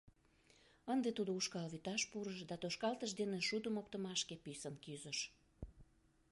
Ынде тудо ушкал вӱташ пурыш да тошкалтыш дене шудым оптымашке писын кӱзыш.